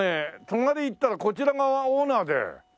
隣行ったらこちらがオーナーで。